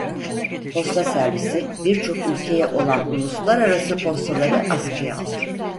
Posta servisi birçok ülkeye olan uluslararası postaları askıya aldı.